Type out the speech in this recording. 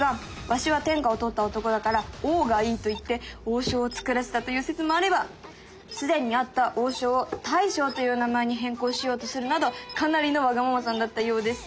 「わしは天下を取った男だから王がいい」と言って王将を作らせたという説もあればすでにあった王将を大将という名前に変更しようとするなどかなりのワガママさんだったようです。